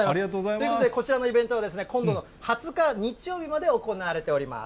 ということで、こちらのイベントは今度の２０日日曜日まで行われております。